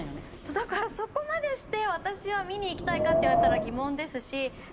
だからそこまでして私は見に行きたいかって言われたら疑問ですし。